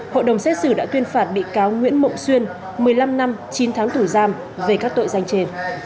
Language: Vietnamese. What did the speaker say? hội đồng xét xử đã tuyên phạt bị cáo nguyễn mộng xuyên một mươi năm năm chín tháng tù giam về các tội danh trên